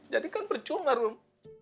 jadi kan percuma rom